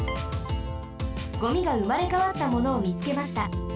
ゴミがうまれかわったものをみつけました。